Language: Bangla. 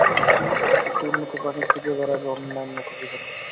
একটি উন্নত প্রাণী খুঁজে বেড়াবে অন্য উন্নত জীবনকে।